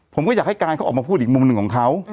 ผมก็อยากให้การเขาออกมาพูดอีกมุมหนึ่งของเขา